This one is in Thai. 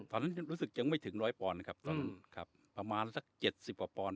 ตอนนั้นรู้สึกยังไม่ถึงร้อยปอนครับอืมครับประมาณสักเจ็ดสิบกว่าปอน